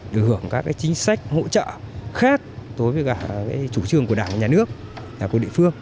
được hưởng các cái chính sách hỗ trợ khác đối với cả cái chủ trương của đảng nhà nước nhà của địa phương